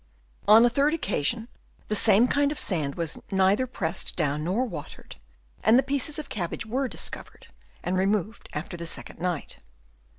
On a third occasion the same kind of sand was neither pressed down nor watered, and the pieces of cabbage were discovered and re moved after the second night.